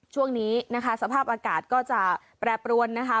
ช่วงนี้นะคะสภาพอากาศก็จะแปรปรวนนะคะ